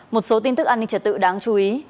một số tin tức an ninh trật tự đáng chú ý